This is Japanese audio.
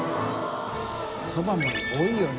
そばも多いよね。